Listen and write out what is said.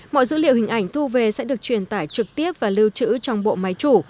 mọi dữ liệu hình ảnh thu về sẽ được truyền tải trực tiếp và lưu trữ trong bộ máy chủ